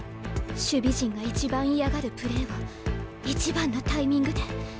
守備陣が一番嫌がるプレーを一番のタイミングで。